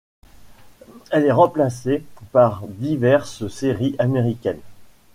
Elle est remplacée par diverses séries américaines.